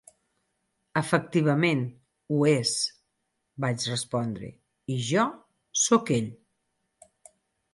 "Efectivament, ho és" vaig respondre "i jo soc ell".